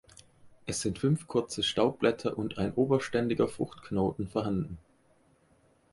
Es sind fünf kurze Staubblätter und ein oberständiger Fruchtknoten vorhanden.